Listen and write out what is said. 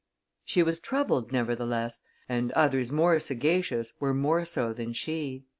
She was troubled, nevertheless, and others more sagacious were more so than she.